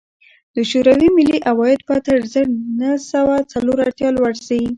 د شوروي ملي عواید به تر زر نه سوه څلور اتیا لوړ شي